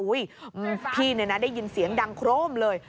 พี่เนี่ยนะได้ยินเสียงดังโครมเลย